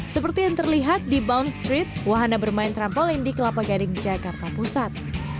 seperti yang terlihat di bown street wahana bermain trampolin di kelapa gading jakarta pusat